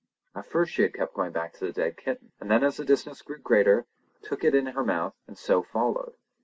At first she had kept going back to the dead kitten, and then as the distance grew greater took it in her mouth and so followed.